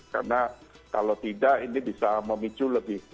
karena kalau tidak ini bisa memicu lebih